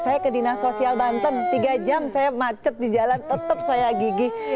saya ke dinas sosial banten tiga jam saya macet di jalan tetap saya gigih